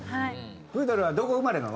プードルはどこ生まれなの？